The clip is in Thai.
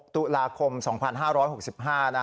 ตุลาคม๒๕๖๕นะ